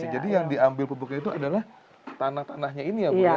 jadi yang diambil pupuknya itu adalah tanah tanahnya ini ya bu